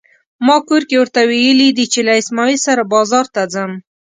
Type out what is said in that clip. ما کور کې ورته ويلي دي چې له اسماعيل سره بازار ته ځم.